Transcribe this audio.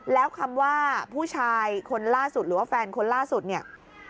แล้วคำว่าผู้ชายคนล่าสุดหรือว่าแฟนคนล่าสุดเนี่ย